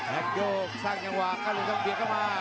แฮคโยกสร้างจังหวังก้าวเหลือต้องเผียบเข้ามา